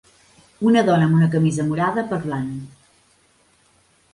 Una dona amb una camisa morada parlant.